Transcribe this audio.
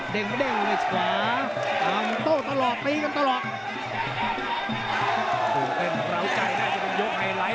เทศมึงชนทอสวนทองสาย